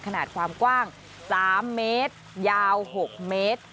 ขนาดความกว้าง๓เมตรยาว๖เมตร